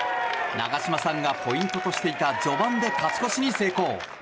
長嶋さんがポイントとしていた序盤で勝ち越しに成功。